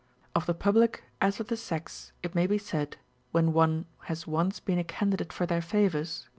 Of the public as of the sex it may be said, when one has once been a candidate for their favours?